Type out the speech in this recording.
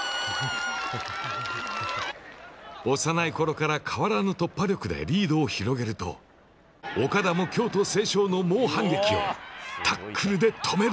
幼いころから変わらぬ突破力でリードを広げると、岡田も京都成章の猛反撃をタックルで止める。